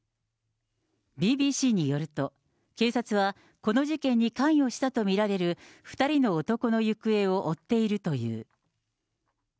ＢＢＣによると、警察はこの事件に関与したと見られる２人の男の行方を追っているという。